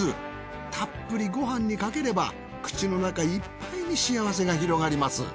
たっぷりごはんにかければ口の中いっぱいに幸せが広がります。